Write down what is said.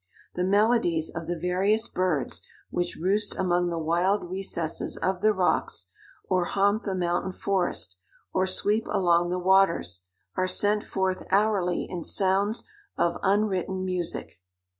The melodies of the various birds which roost among the wild recesses of the rocks, or haunt the mountain forest, or sweep along the waters, are sent forth hourly in sounds of "unwritten music."